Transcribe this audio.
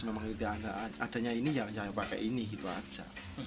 memang kita ada adanya ini ya pakai ini gitu aja